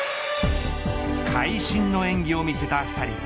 会心の演技を見せた２人。